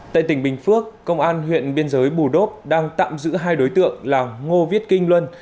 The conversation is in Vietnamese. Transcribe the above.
tại tỉnh bình phước công an huyện biên giới bù đốp đang tạm giữ hai đối tượng là ngô viết kinh luân